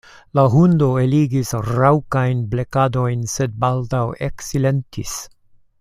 La hundo eligis raŭkajn blekadojn, sed baldaŭ eksilentis.